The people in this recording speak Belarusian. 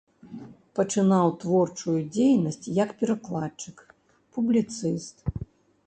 Пачынаў творчую дзейнасць як перакладчык, публіцыст.